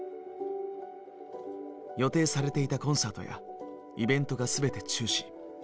予定されていたコンサートやイベントが全て中止。